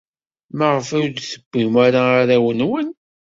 Maɣef ur d-tewwim ara arraw-nwen?